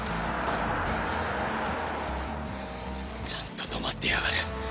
ちゃんと止まってやがる。